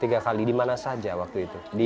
tiga kali di mana saja waktu itu